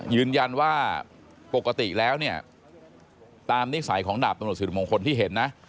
ยืนยันว่าปกติแล้วเนี่ยตามนิสัยของดาบตำรวจสิริมงคลที่เห็นนะ